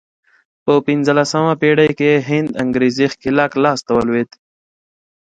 په پنځلسمه پېړۍ کې هند انګرېزي ښکېلاک لاس ته ولوېد.